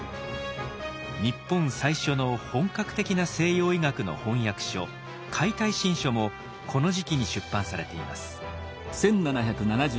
日本最初の本格的な西洋医学の翻訳書「解体新書」もこの時期に出版されています。